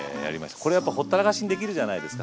これやっぱほったらかしにできるじゃないですか。